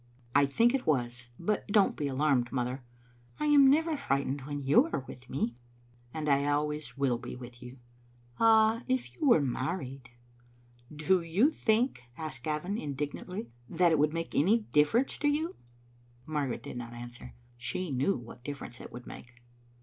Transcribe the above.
" I think it was; but don't be alarmed, mother." " I am never frightened when you are with me." "And I always will be with you." " Ah, if you were married " "Do you think," asked Gavin, indignantly, "that it would make any difference to you?" Margaret did not answer. She knew what a differ ence it would make.